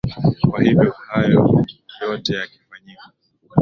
kwa hivyo hayo yote yakifanyika